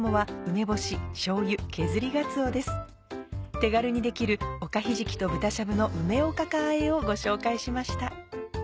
手軽にできる「おかひじきと豚しゃぶの梅おかかあえ」をご紹介しました。